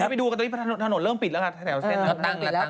พี่ทุกคนไปดูทางแถวเส้นเริ่มปิดแล้วค่ะ